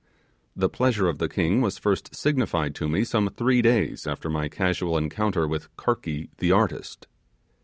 The pleasure of the king was first signified to me some three days after my casual encounter with Karky the artist.